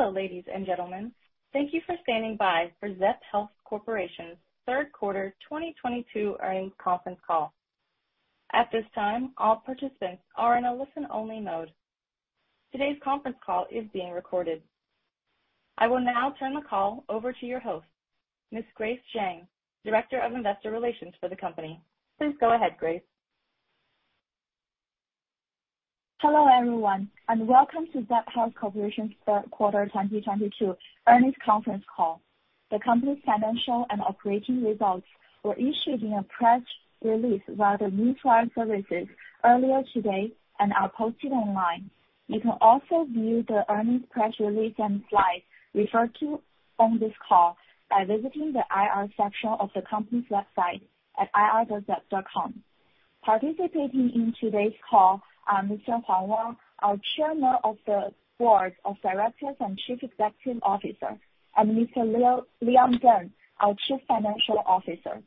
Hello, ladies and gentlemen. Thank you for standing by for Zepp Health Corporation's third quarter 2022 earnings conference call. At this time, all participants are in a listen-only mode. Today's conference call is being recorded. I will now turn the call over to your host, Ms. Grace Zhang, Director of Investor Relations for the company. Please go ahead, Grace. Hello, everyone, and welcome to Zepp Health Corporation's 3rd quarter 2022 earnings conference call. The company's financial and operating results were issued in a press release by the news wire services earlier today and are posted online. You can also view the earnings press release and slides referred to on this call by visiting the IR section of the company's website at ir.zepp.com. Participating in today's call are Mr. Huang Wang, our Chairman of the Board of Directors and Chief Executive Officer, and Mr. Liam Deng, our Chief Financial Officer.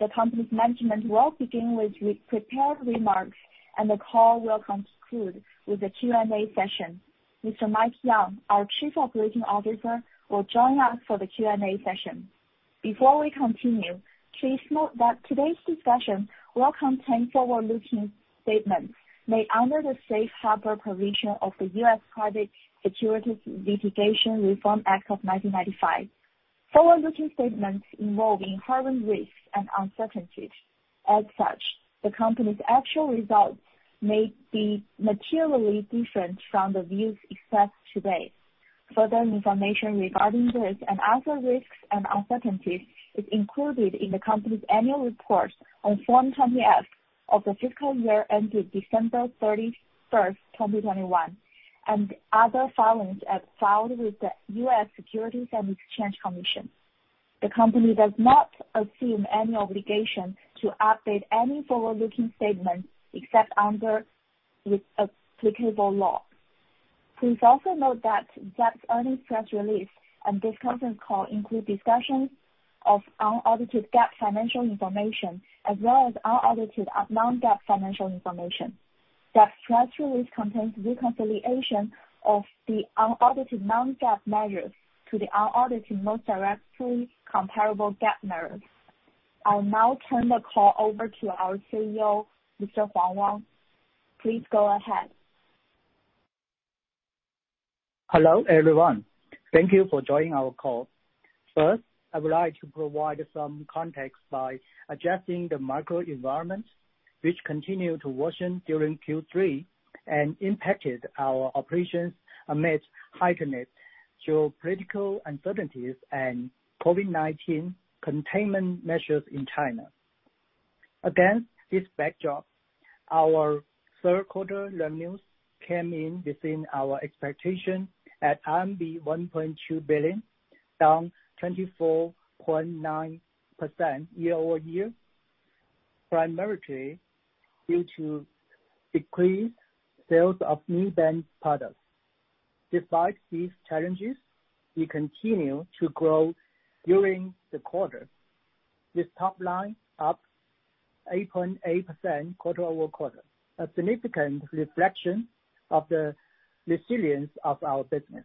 The company's management will begin with re-prepared remarks and the call will conclude with a Q&A session. Mr. Mike Young, our Chief Operating Officer, will join us for the Q&A session. Before we continue, please note that today's discussion will contain forward-looking statements made under the Safe Harbor provision of the U.S. Private Securities Litigation Reform Act of 1995. Forward-looking statements involve inherent risks and uncertainties. The company's actual results may be materially different from the views expressed today. Further information regarding this and other risks and uncertainties is included in the company's annual report on Form 20-F of the fiscal year ended December 31, 2021, and other filings as filed with the U.S. Securities and Exchange Commission. The company does not assume any obligation to update any forward-looking statements except under with applicable law. Please also note that Zepp's earnings press release and this conference call include discussions of unaudited GAAP financial information, as well as unaudited non-GAAP financial information. Zepp's press release contains reconciliation of the unaudited non-GAAP measures to the unaudited most directly comparable GAAP measures. I'll now turn the call over to our CEO, Mr. Huang Wang. Please go ahead. Hello, everyone. Thank you for joining our call. First, I would like to provide some context by adjusting the microenvironment which continued to worsen during Q3 and impacted our operations amidst heightened geopolitical uncertainties and COVID-19 containment measures in China. Against this backdrop, our third quarter revenues came in within our expectation at RMB 1.2 billion, down 24.9% year-over-year, primarily due to decreased sales of new band products. Despite these challenges, we continue to grow during the quarter. This top line up 8.8% quarter-over-quarter, a significant reflection of the resilience of our business.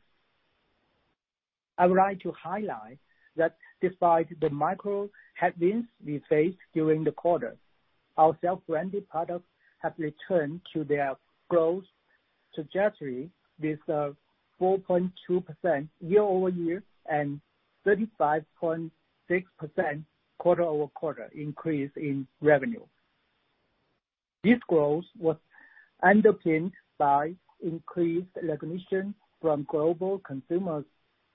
I would like to highlight that despite the micro headwinds we faced during the quarter, our self-branded products have returned to their growth trajectory with a 4.2% year-over-year and 35.6% quarter-over-quarter increase in revenue. This growth was underpinned by increased recognition from global consumers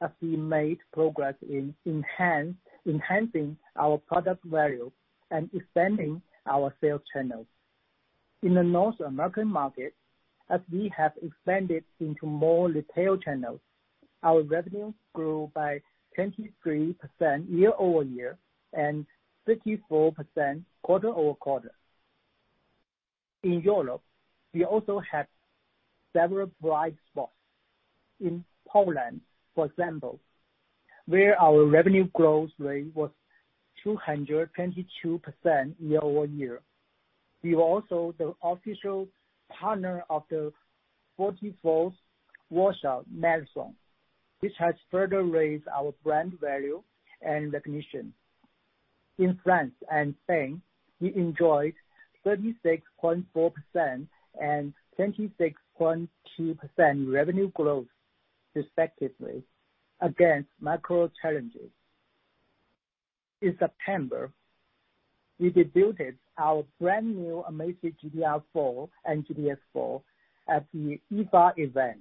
as we made progress in enhancing our product value and expanding our sales channels. In the North American market, as we have expanded into more retail channels, our revenues grew by 23% year-over-year and 34% quarter-over-quarter. In Europe, we also have several bright spots. In Poland, for example, where our revenue growth rate was 222% year-over-year. We were also the official partner of the 44th Warsaw Marathon, which has further raised our brand value and recognition. In France and Spain, we enjoyed 36.4% and 26.2% revenue growth respectively against macro challenges. In September, we debuted our brand new Amazfit GTR 4 and GTS 4 at the IFA event.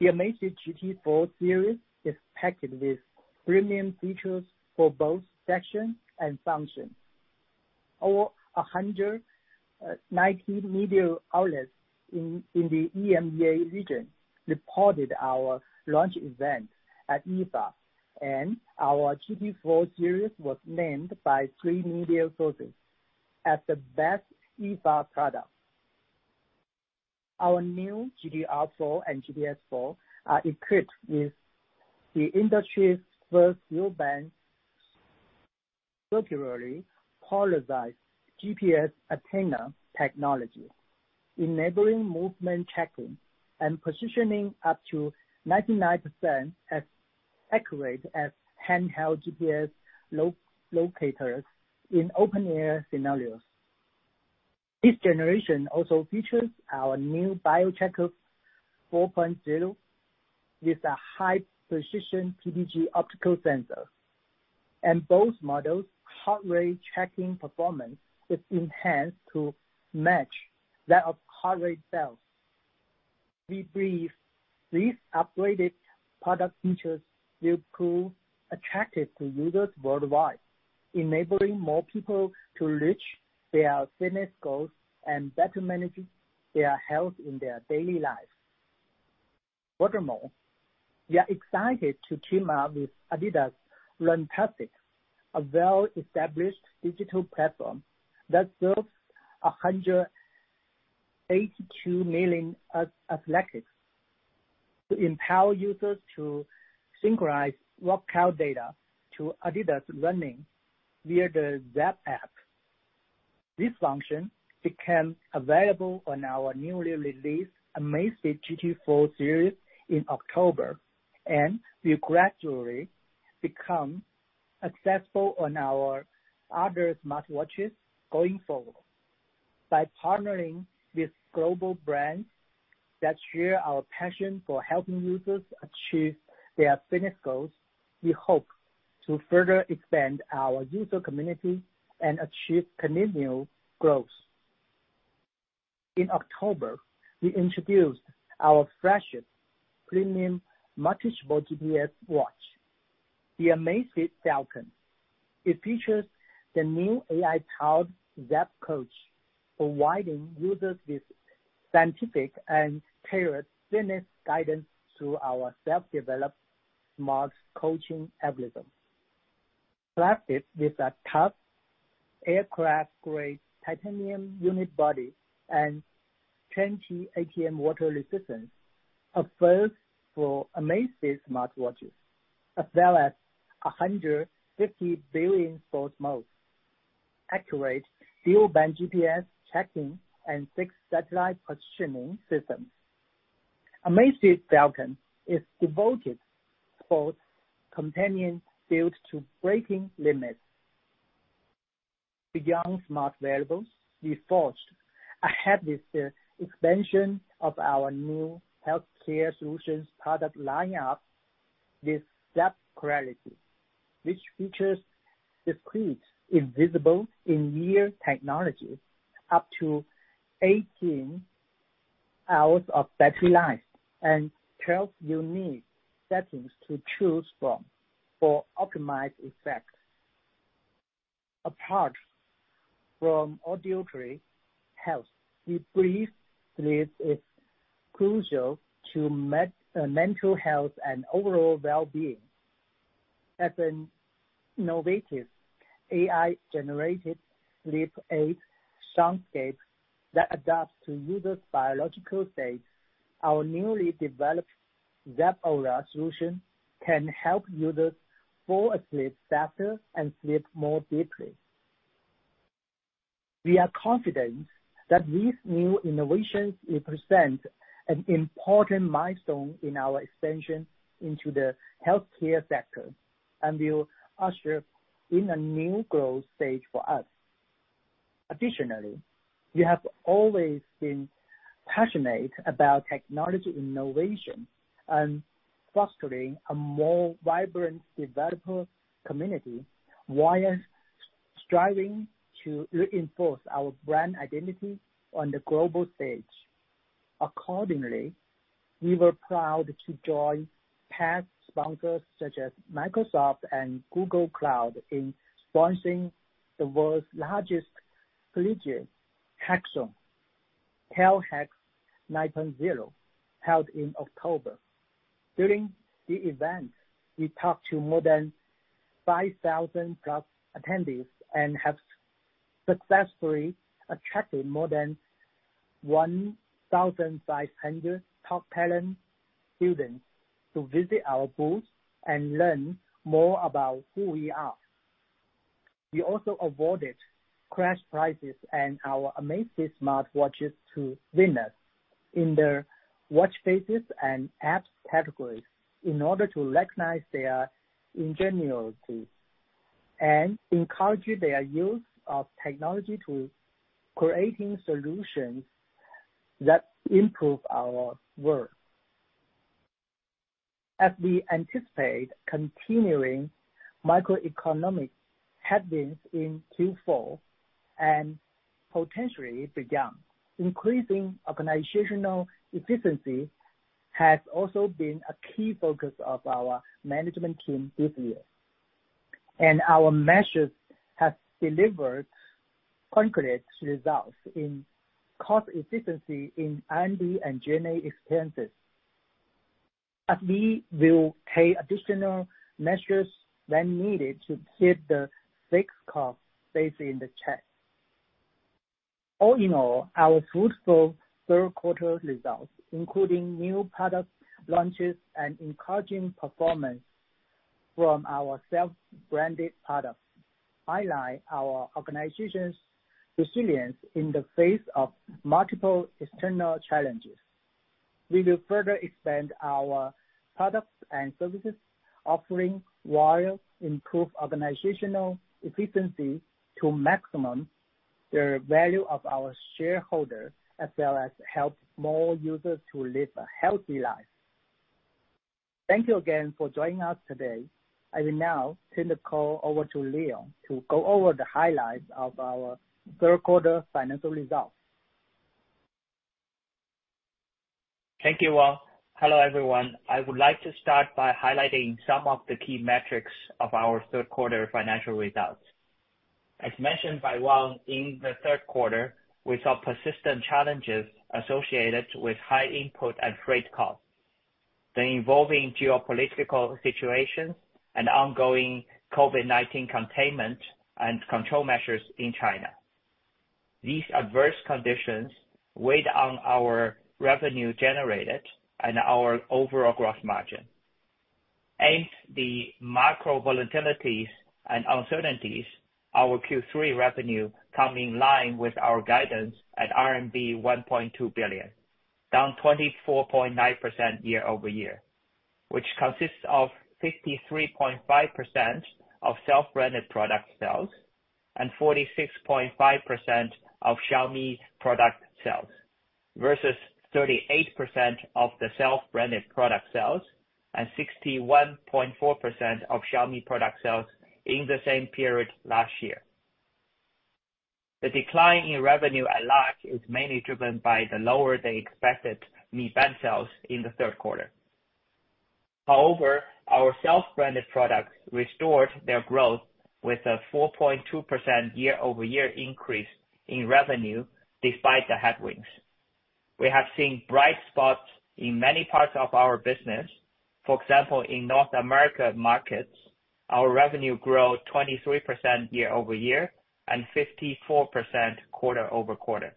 The Amazfit GT 4 series is packed with premium features for both fashion and function. Over 190 media outlets in the EMEA region reported our launch event at IFA. Our GT 4 series was named by three media sources as the best IFA product. Our new GTR 4 and GTS 4 are equipped with the industry's first new band circularly-polarized GPS antenna technology, enabling movement tracking and positioning up to 99% as accurate as handheld GPS locators in open air scenarios. This generation also features our new BioTracker 4.0, with a high precision PPG optical sensor, and both models' heart rate tracking performance is enhanced to match that of heart rate cells. We believe these upgraded product features will prove attractive to users worldwide, enabling more people to reach their fitness goals and better manage their health in their daily life. We are excited to team up with adidas Runtastic, a well-established digital platform that serves 182 million athletes to empower users to synchronize workout data to adidas Running via the Zepp App. This function became available on our newly released Amazfit GT 4 series in October, will gradually become successful on our other smartwatches going forward. By partnering with global brands that share our passion for helping users achieve their fitness goals, we hope to further expand our user community and achieve continual growth. In October, we introduced our flagship premium multi-sport GPS watch, the Amazfit Falcon. It features the new AI-powered Zepp Coach, providing users with scientific and tailored fitness guidance through our self-developed smart coaching algorithm. With a tough aircraft-grade titanium unibody and 20 ATM water resistance, a first for Amazfit smartwatches, as well as 150 billion sports modes, accurate dual-band GPS tracking, and 6 satellite positioning systems. Amazfit Falcon is devoted sports companion built to breaking limits. Beyond smart wearables, we forged ahead with the expansion of our new healthcare solutions product line-up with Zepp Clarity, which features discreet, invisible in-ear technology, up to 18 hours of battery life, and 12 unique settings to choose from for optimized effects. Apart from auditory health, we believe sleep is crucial to mental health and overall well-being. As an innovative AI-generated sleep aid soundscape that adapts to users' biological state, our newly developed Zepp Aura solution can help users fall asleep faster and sleep more deeply. We are confident that these new innovations represent an important milestone in our expansion into the healthcare sector, and will usher in a new growth stage for us. Additionally, we have always been passionate about technology innovation and fostering a more vibrant developer community while striving to reinforce our brand identity on the global stage. Accordingly, we were proud to join past sponsors such as Microsoft and Google Cloud in sponsoring the world's largest collegiate hackathon, Cal Hacks 9.0, held in October. During the event, we talked to more than 5,000 plus attendees and have successfully attracted more than 1,500 top talent students to visit our booth and learn more about who we are. We also awarded cash prizes and our Amazfit smartwatches to winners in their watch faces and apps categories in order to recognize their ingenuity and encourage their use of technology to creating solutions that improve our world. As we anticipate continuing macroeconomic headwinds in Q4 and potentially beyond, increasing organizational efficiency has also been a key focus of our management team this year. Our measures have delivered concrete results in cost efficiency in R&D and G&A expenses. We will take additional measures when needed to keep the fixed costs basically in check. All in all, our fruitful third quarter results, including new product launches and encouraging performance from our self-branded products, highlight our organization's resilience in the face of multiple external challenges. We will further expand our products and services offering while improve organizational efficiency to maximize the value of our shareholders, as well as help more users to live a healthy life. Thank you again for joining us today. I will now turn the call over to Leon to go over the highlights of our third quarter financial results. Thank you, Wang. Hello, everyone. I would like to start by highlighting some of the key metrics of our third quarter financial results. As mentioned by Wang, in the third quarter, we saw persistent challenges associated with high input and freight costs, the evolving geopolitical situations, and ongoing COVID-19 containment and control measures in China. These adverse conditions weighed on our revenue generated and our overall gross margin. Amidst the macro volatilities and uncertainties, our Q3 revenue come in line with our guidance at RMB 1.2 billion, down 24.9% year-over-year, which consists of 53.5% of self-branded product sales and 46.5% of Xiaomi product sales, versus 38% of the self-branded product sales and 61.4% of Xiaomi product sales in the same period last year. The decline in revenue at large is mainly driven by the lower than expected Mi Band sales in the third quarter. Our self-branded products restored their growth with a 4.2% year-over-year increase in revenue despite the headwinds. For example, in North America markets, our revenue grew 23% year-over-year and 54% quarter-over-quarter.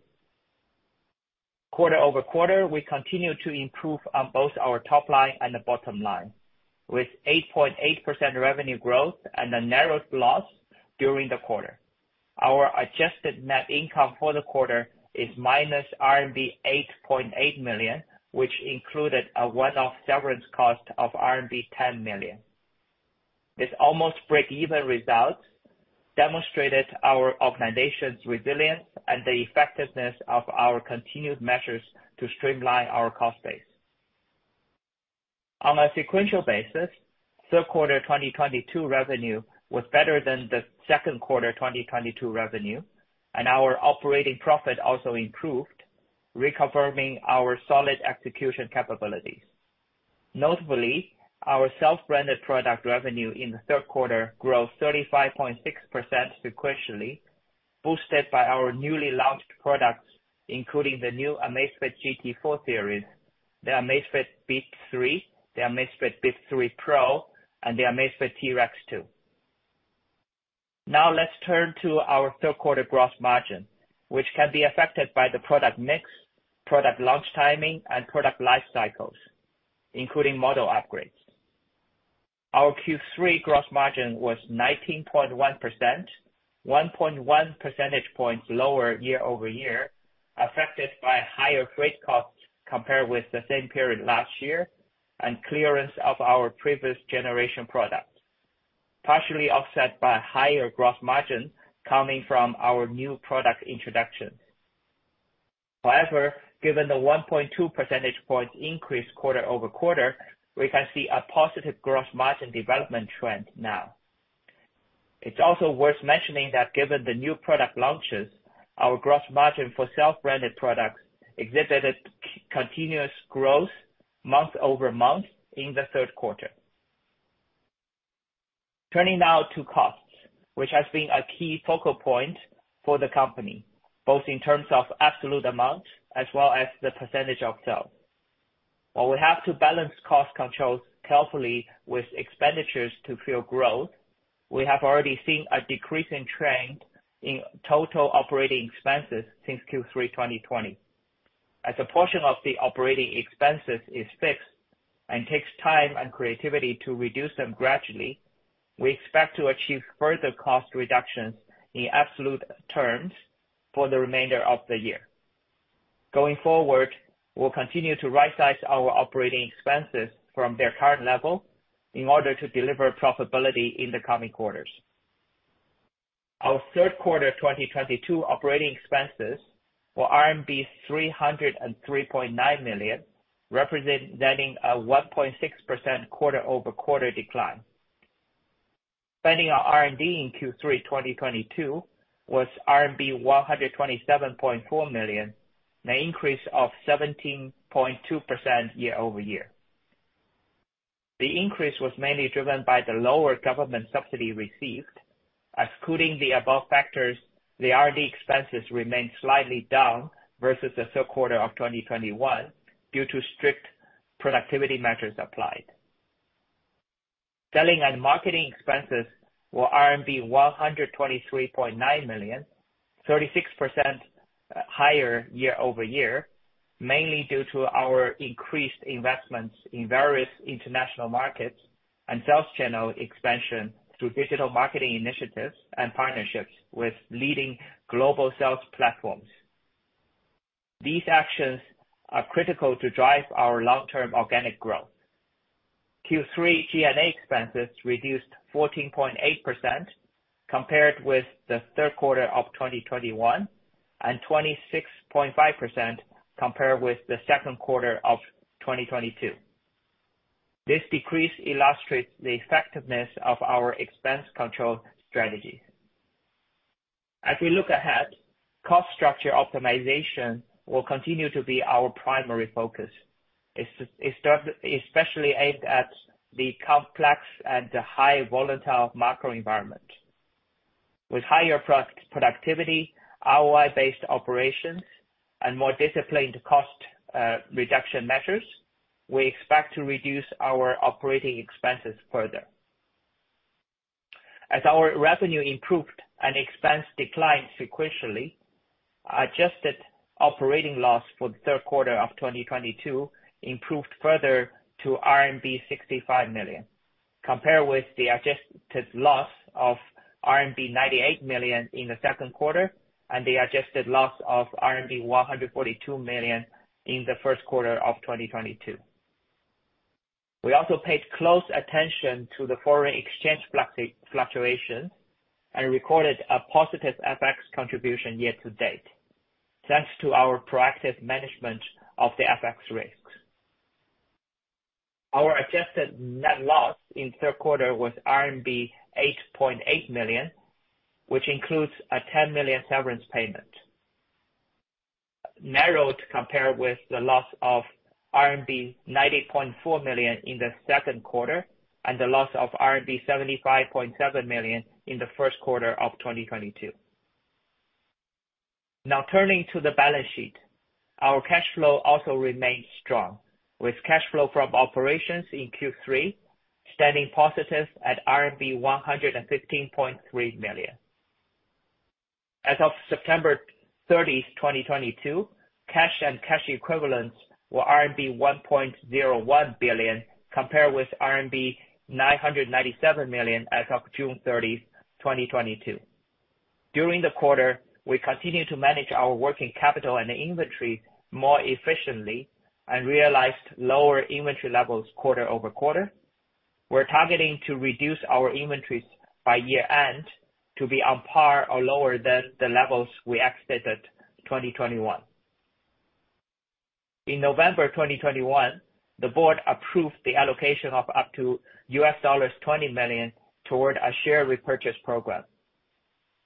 Quarter-over-quarter, we continue to improve on both our top line and the bottom line, with 8.8% revenue growth and a narrowed loss during the quarter. Our adjusted net income for the quarter is minus RMB 8.8 million, which included a one-off severance cost of RMB 10 million. This almost break-even result demonstrated our organization's resilience and the effectiveness of our continued measures to streamline our cost base. On a sequential basis, third quarter 2022 revenue was better than the second quarter 2022 revenue, and our operating profit also improved, reconfirming our solid execution capabilities. Notably, our self-branded product revenue in the third quarter grew 35.6% sequentially, boosted by our newly launched products, including the new Amazfit GT 4 series, the Amazfit Bip 3, the Amazfit Bip 3 Pro, and the Amazfit T-Rex 2. Now let's turn to our third quarter gross margin, which can be affected by the product mix, product launch timing, and product life cycles, including model upgrades. Our Q3 gross margin was 19.1%, 1.1 percentage points lower year-over-year, affected by higher freight costs compared with the same period last year, and clearance of our previous generation products, partially offset by higher gross margin coming from our new product introduction. Given the 1.2 percentage points increase quarter-over-quarter, we can see a positive gross margin development trend now. It's also worth mentioning that given the new product launches, our gross margin for self-branded products exhibited continuous growth month-over-month in the third quarter. Turning now to costs, which has been a key focal point for the company, both in terms of absolute amount as well as the percentage of sales. While we have to balance cost controls carefully with expenditures to fuel growth, we have already seen a decrease in trend in total operating expenses since Q3 2020. As a portion of the operating expenses is fixed and takes time and creativity to reduce them gradually, we expect to achieve further cost reductions in absolute terms for the remainder of the year. Going forward, we'll continue to rightsize our operating expenses from their current level in order to deliver profitability in the coming quarters. Our third quarter 2022 operating expenses were RMB 303.9 million, representing a 1.6% quarter-over-quarter decline. Spending on R&D in Q3 2022 was RMB 127.4 million, an increase of 17.2% year-over-year. The increase was mainly driven by the lower government subsidy received. Excluding the above factors, the R&D expenses remained slightly down versus the third quarter of 2021 due to strict productivity measures applied. Selling and marketing expenses were RMB 123.9 million, 36% higher year-over-year, mainly due to our increased investments in various international markets and sales channel expansion through digital marketing initiatives and partnerships with leading global sales platforms. These actions are critical to drive our long-term organic growth. Q3 G&A expenses reduced 14.8% compared with the third quarter of 2021, and 26.5% compared with the second quarter of 2022. This decrease illustrates the effectiveness of our expense control strategy. As we look ahead, cost structure optimization will continue to be our primary focus, especially aimed at the complex and high volatile macro environment. With higher productivity, ROI-based operations, and more disciplined cost reduction measures, we expect to reduce our operating expenses further. As our revenue improved and expense declined sequentially, adjusted operating loss for the third quarter of 2022 improved further to RMB 65 million, compared with the adjusted loss of RMB 98 million in the second quarter and the adjusted loss of RMB 142 million in the first quarter of 2022. We also paid close attention to the foreign exchange fluctuation and recorded a positive FX contribution year to date, thanks to our proactive management of the FX risk. Our adjusted net loss in third quarter was RMB 8.8 million, which includes a 10 million severance payment, narrowed compared with the loss of RMB 90.4 million in the second quarter and the loss of RMB 75.7 million in the first quarter of 2022. Now, turning to the balance sheet. Our cash flow also remains strong, with cash flow from operations in Q3 standing positive at RMB 115.3 million. As of September 30th, 2022, cash and cash equivalents were RMB 1.01 billion compared with RMB 997 million as of June 30th, 2022. During the quarter, we continued to manage our working capital and inventory more efficiently and realized lower inventory levels quarter-over-quarter. We're targeting to reduce our inventories by year-end to be on par or lower than the levels we exited 2021. In November 2021, the board approved the allocation of up to $20 million toward a share repurchase program.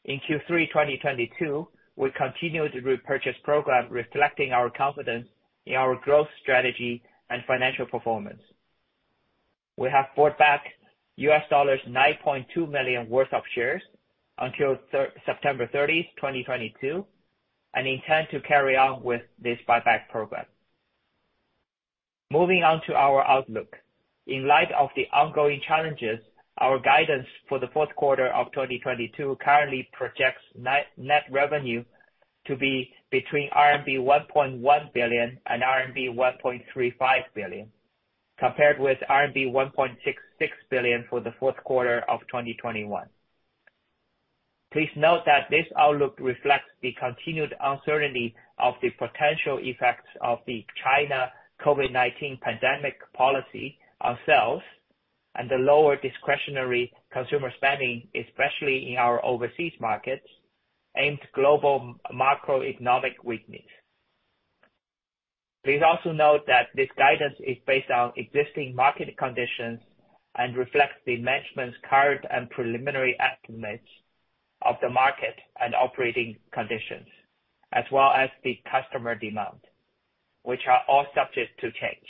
In Q3 2022, we continued the repurchase program, reflecting our confidence in our growth strategy and financial performance. We have bought back $9.2 million worth of shares until September 30, 2022, and intend to carry on with this buyback program. Moving on to our outlook. In light of the ongoing challenges, our guidance for the fourth quarter of 2022 currently projects net revenue to be between RMB 1.1 billion and RMB 1.35 billion, compared with RMB 1.66 billion for the fourth quarter of 2021. Please note that this outlook reflects the continued uncertainty of the potential effects of the China COVID-19 pandemic policy on sales and the lower discretionary consumer spending, especially in our overseas markets, and global macroeconomic weakness. Please also note that this guidance is based on existing market conditions and reflects the management's current and preliminary estimates of the market and operating conditions, as well as the customer demand, which are all subject to change.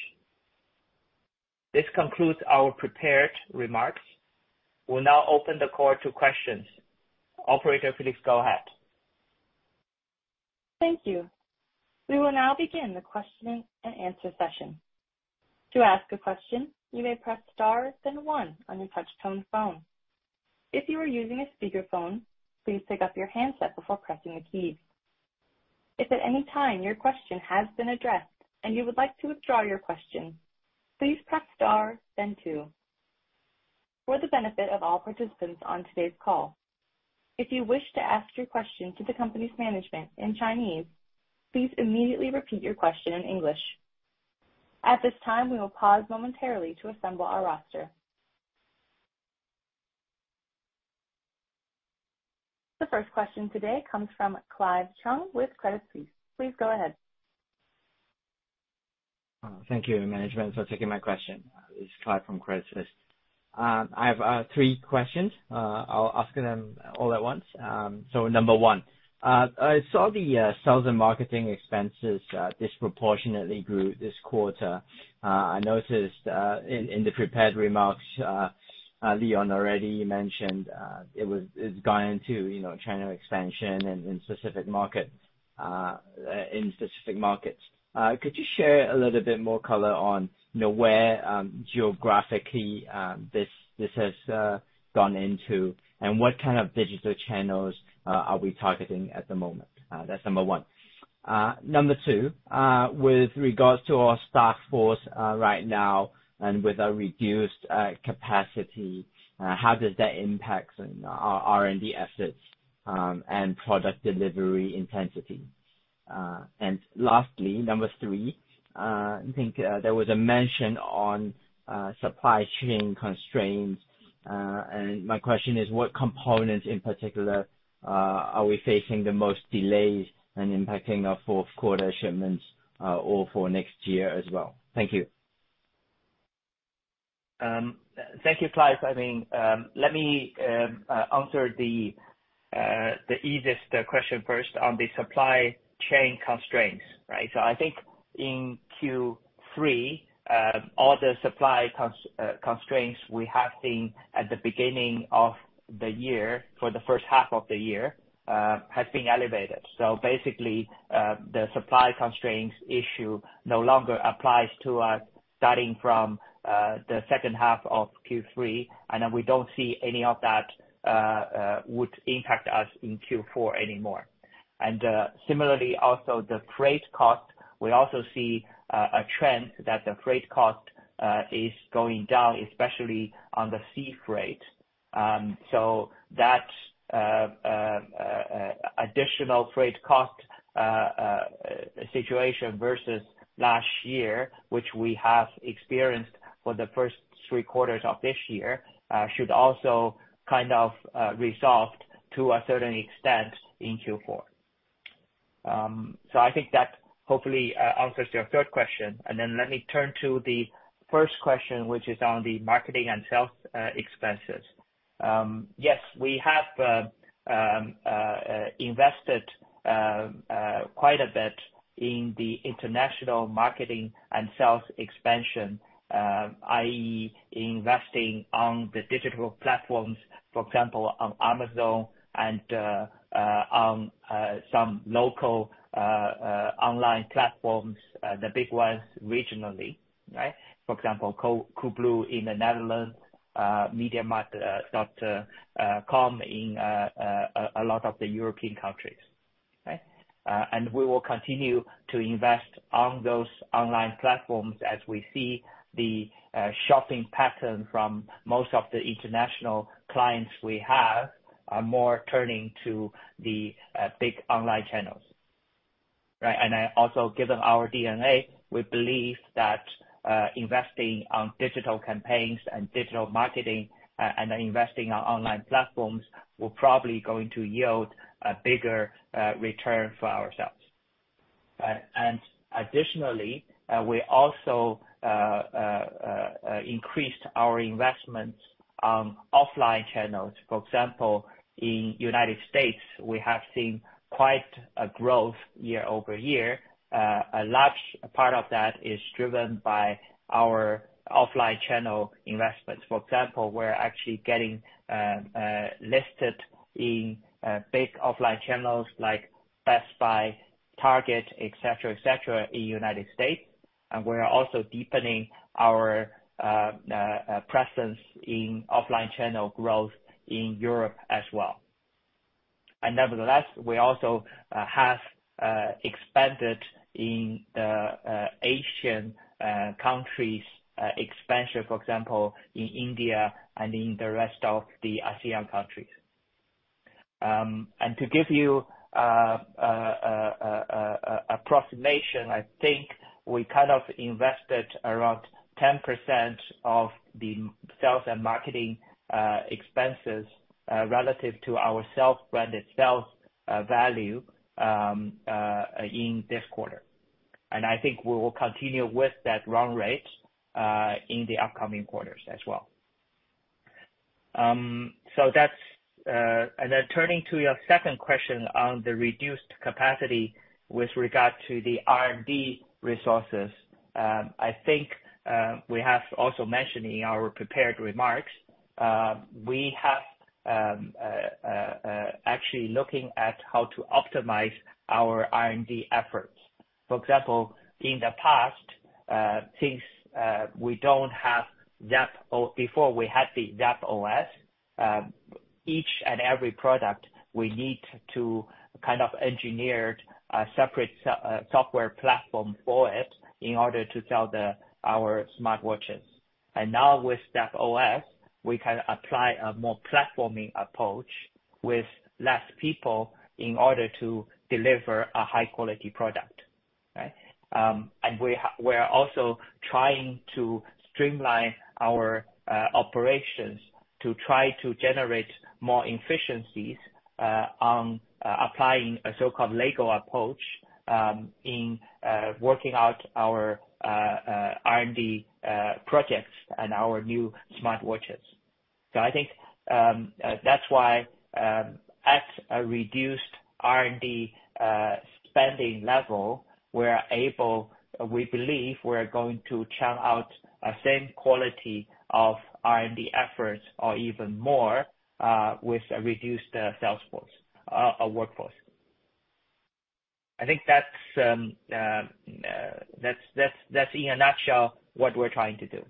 This concludes our prepared remarks. We'll now open the call to questions. Operator, please go ahead. Thank you. We will now begin the questioning and answer session. To ask a question, you may press star then one on your touch tone phone. If you are using a speakerphone, please pick up your handset before pressing the key. If at any time your question has been addressed and you would like to withdraw your question, please press star then two. For the benefit of all participants on today's call, if you wish to ask your question to the company's management in Chinese, please immediately repeat your question in English. At this time, we will pause momentarily to assemble our roster. The first question today comes from Clive Cheung with Credit Suisse. Please go ahead. Thank you management for taking my question. It's Clive from Credit Suisse. I have three questions. I'll ask them all at once. Number one. I saw the sales and marketing expenses disproportionately grew this quarter. I noticed in the prepared remarks, Leon already mentioned it's gone into channel expansion in specific market, in specific markets. Could you share a little bit more color on where geographically this has gone into and what kind of digital channels are we targeting at the moment? That's number 1. Number 2, with regards to our staff force right now and with our reduced capacity, how does that impact on our R&D assets and product delivery intensity? Lastly, number three, I think, there was a mention on supply chain constraints, and my question is what components in particular, are we facing the most delays and impacting our fourth quarter shipments, or for next year as well? Thank you. Thank you, Clive. I mean, let me answer the easiest question first on the supply chain constraints, right? I think in Q3, all the supply constraints we have seen at the beginning of the year for the first half of the year, has been elevated. Basically, the supply constraints issue no longer applies to us starting from the second half of Q3, and then we don't see any of that would impact us in Q4 anymore. Similarly, also the freight cost, we also see a trend that the freight cost is going down, especially on the sea freight. So that additional freight cost situation versus last year, which we have experienced for the first three quarters of this year, should also kind of resolved to a certain extent in Q4. So I think that hopefully answers your third question. Then let me turn to the first question, which is on the marketing and sales expenses. Yes, we have invested quite a bit in the international marketing and sales expansion, i.e., investing on the digital platforms, for example, on Amazon and on some local online platforms, the big ones regionally, right? For example, Coolblue in the Netherlands, MediaMarkt in a lot of the European countries. Okay? We will continue to invest on those online platforms as we see the shopping pattern from most of the international clients we have are more turning to the big online channels, right? Given our DNA, we believe that investing on digital campaigns and digital marketing and then investing on online platforms will probably going to yield a bigger return for ourselves, right? Additionally, we also increased our investments on offline channels. For example, in U.S., we have seen quite a growth year-over-year. A large part of that is driven by our offline channel investments. For example, we're actually getting listed in big offline channels like Best Buy, Target, et cetera, et cetera, in U.S. We are also deepening our presence in offline channel growth in Europe as well. Nevertheless, we also have expanded in Asian countries expansion, for example, in India and in the rest of the ASEAN countries. To give you a approximation, I think we kind of invested around 10% of the sales and marketing expenses relative to our self-branded sales value in this quarter. I think we will continue with that run rate in the upcoming quarters as well. That's... Turning to your second question on the reduced capacity with regard to the R&D resources, I think, we have also mentioned in our prepared remarks, we have, actually looking at how to optimize our R&D efforts. For example, in the past, since, we don't have Before we had the Zepp OS, each and every product, we need to kind of engineer a separate software platform for it in order to sell the, our smartwatches. Now with Zepp OS, we can apply a more platforming approach with less people in order to deliver a high-quality product, right? We are also trying to streamline our operations to try to generate more efficiencies on applying a so-called Lego approach in working out our R&D projects and our new smartwatches. I think that's why at a reduced R&D spending level, we believe we're going to churn out a same quality of R&D efforts or even more with a reduced salesforce workforce. I think that's in a nutshell what we're trying to do.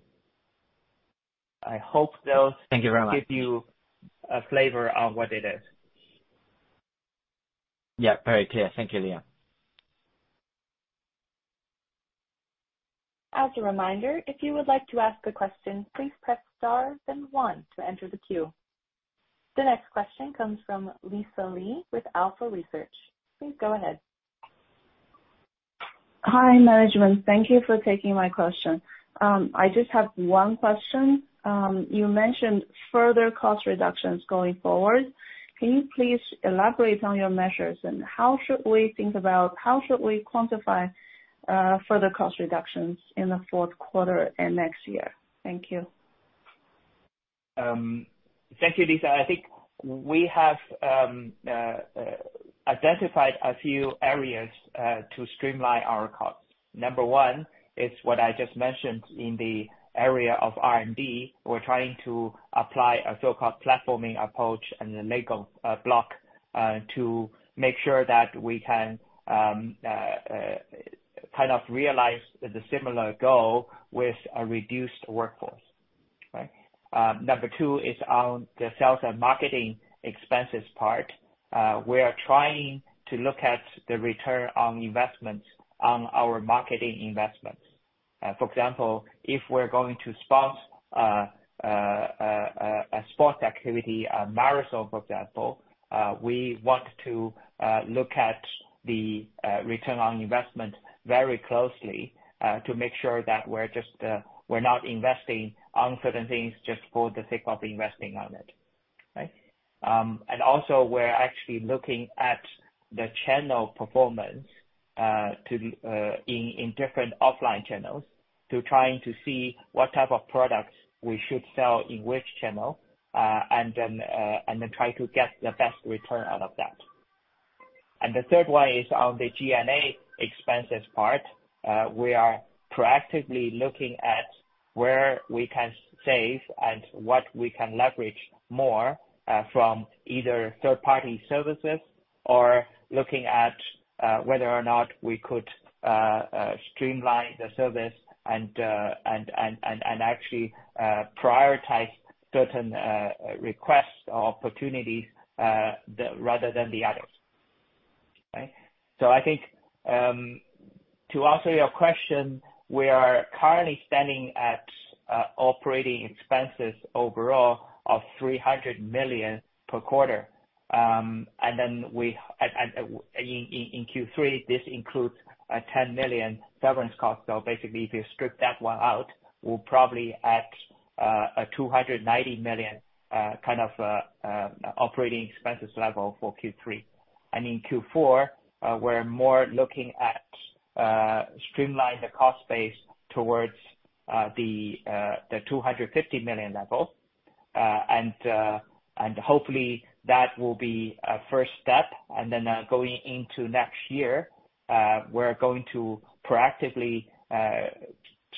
I hope those. Thank you very much. give you a flavor of what it is. Yeah, very clear. Thank you, Liam. As a reminder, if you would like to ask a question, please press star 1 to enter the queue. The next question comes from Lisa Li with China Renaissance. Please go ahead. Hi, management. Thank you for taking my question. I just have one question. You mentioned further cost reductions going forward. Can you please elaborate on your measures and how should we think about, how should we quantify further cost reductions in the fourth quarter and next year? Thank you. Thank you, Lisa. I think we have identified a few areas to streamline our costs. Number one is what I just mentioned in the area of R&D. We're trying to apply a so-called platforming approach in the Lego block to make sure that we can kind of realize the similar goal with a reduced workforce. Right? Number two is on the sales and marketing expenses part. We are trying to look at the return on investments on our marketing investments. For example, if we're going to sponsor a sports activity, a marathon, for example, we want to look at the return on investment very closely to make sure that we're just we're not investing on certain things just for the sake of investing on it. Right? Also we're actually looking at the channel performance to in different offline channels to trying to see what type of products we should sell in which channel and then try to get the best return out of that. The third one is on the G&A expenses part. We are proactively looking at where we can save and what we can leverage more from either third-party services or looking at whether or not we could streamline the service and actually prioritize certain requests or opportunities rather than the others. Right? I think to answer your question, we are currently standing at operating expenses overall of 300 million per quarter. We, and in Q3, this includes a 10 million severance cost. Basically, if you strip that one out, we're probably at a 290 million kind of operating expenses level for Q3. In Q4, we're more looking at streamline the cost base towards the 250 million level. Hopefully that will be a first step. Going into next year, we're going to proactively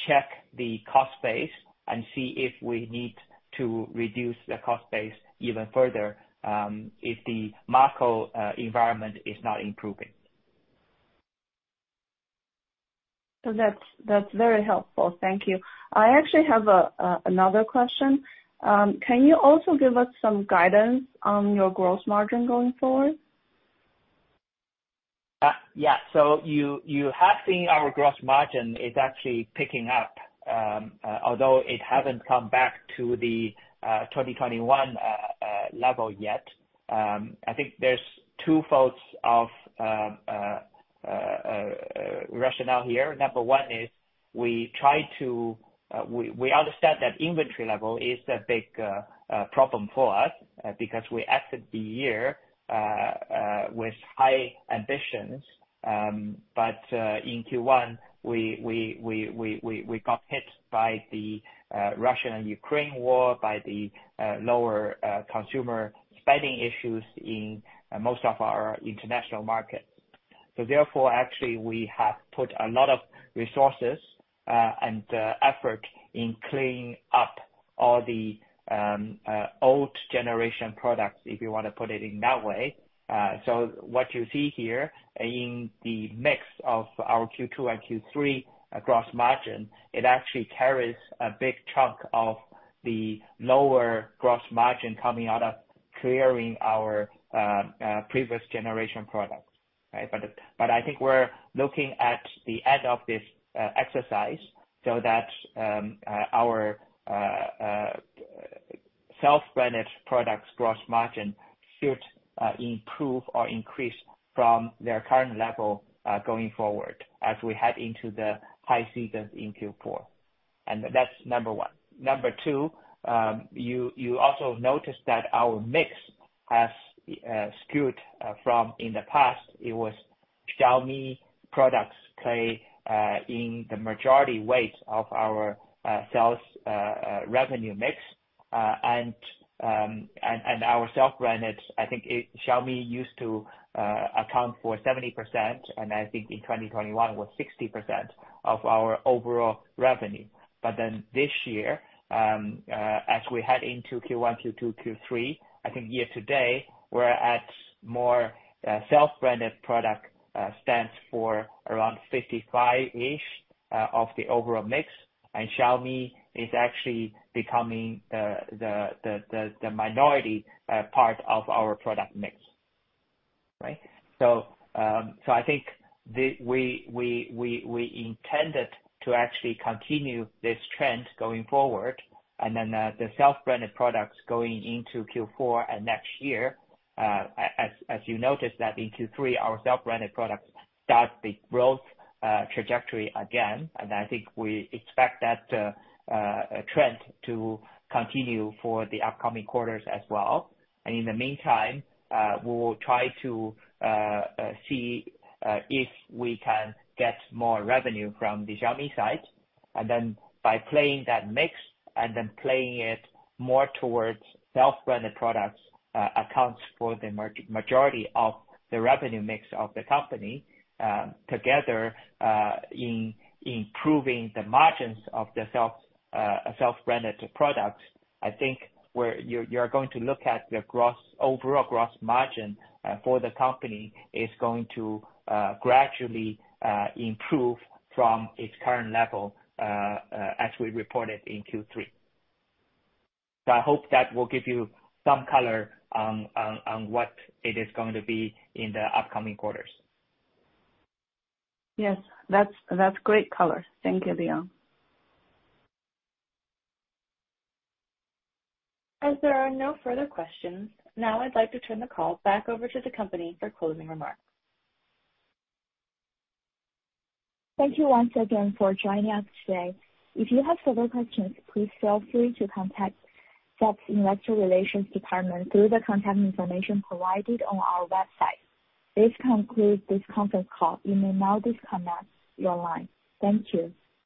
check the cost base and see if we need to reduce the cost base even further, if the macro environment is not improving. That's very helpful. Thank you. I actually have another question. Can you also give us some guidance on your gross margin going forward? Yeah. You have seen our gross margin is actually picking up, although it hasn't come back to the 2021 level yet. I think there's two folds of rationale here. Number one is we try to, we understand that inventory level is a big problem for us, because we entered the year with high ambitions. In Q1, we got hit by the Russian and Ukraine war, by the lower consumer spending issues in most of our international markets. Therefore, actually, we have put a lot of resources and effort in cleaning up all the old generation products, if you wanna put it in that way. What you see here in the mix of our Q2 and Q3 gross margin, it actually carries a big chunk of the lower gross margin coming out of clearing our previous generation products. Right. I think we're looking at the end of this exercise so that our self-branded products gross margin should improve or increase from their current level going forward as we head into the high season in Q4. That's Number one. Number two, you also notice that our mix has skewed from in the past. It was Xiaomi products play in the majority weight of our sales revenue mix, and our self-branded, I think Xiaomi used to account for 70%, and I think in 2021 was 60% of our overall revenue. This year, as we head into Q1, Q2, Q3, I think year to date, we're at more self-branded product stands for around 55-ish of the overall mix. Xiaomi is actually becoming the minority part of our product mix. Right. I think we intended to actually continue this trend going forward and the self-branded products going into Q4 and next year, as you noticed that in Q3, our self-branded products start the growth trajectory again. I think we expect that trend to continue for the upcoming quarters as well. In the meantime, we will try to see if we can get more revenue from the Xiaomi side. By playing that mix and then playing it more towards self-branded products accounts for the majority of the revenue mix of the company, together in improving the margins of the self-branded products. I think where you're going to look at the gross, overall gross margin for the company is going to gradually improve from its current level as we reported in Q3. I hope that will give you some color on what it is going to be in the upcoming quarters. Yes. That's great color. Thank you, Leon. As there are no further questions, now I'd like to turn the call back over to the company for closing remarks. Thank you once again for joining us today. If you have further questions, please feel free to contact Zepp's Investor Relations Department through the contact information provided on our website. This concludes this conference call. You may now disconnect your line. Thank you.